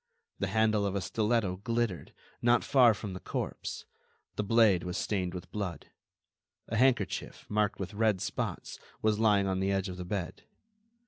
The handle of a stiletto glittered, not far from the corpse; the blade was stained with blood. A handkerchief, marked with red spots, was lying on the edge of the bed.